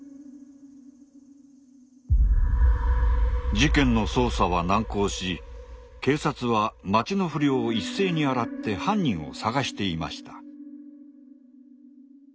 事件の捜査は難航し警察は町の不良を一斉に洗って犯人を捜していました。